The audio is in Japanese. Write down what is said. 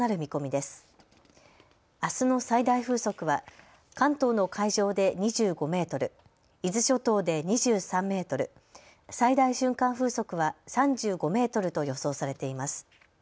あすの最大風速は関東の海上で２５メートル、伊豆諸島で２３メートル、最大瞬間風速は３５メートルと予想されています。